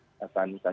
dinas yang terkait